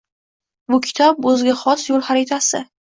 Bu kitob – o‘ziga xos yo‘l xaritasi